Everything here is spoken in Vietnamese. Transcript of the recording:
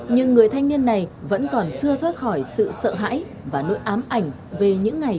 nhưng người thanh niên này vẫn còn chưa thoát khỏi sự sợ hãi và nỗi ám ảnh về những ngày